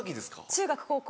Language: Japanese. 中学高校。